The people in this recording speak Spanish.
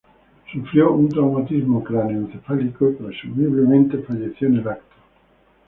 Sufrió un traumatismo craneoencefálico y presumiblemente falleció en el acto.